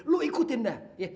lo ikutin dah ye